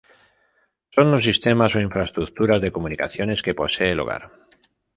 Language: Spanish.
Son los sistemas o infraestructuras de comunicaciones que posee el hogar.